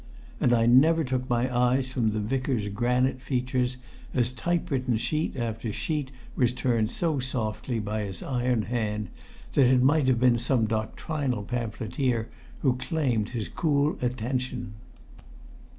And I never took my eyes from the Vicar's granite features, as typewritten sheet after sheet was turned so softly by his iron hand, that it might have been some doctrinal pamphleteer who claimed his cool attention.